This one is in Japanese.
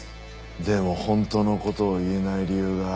でも本当の事を言えない理由がある。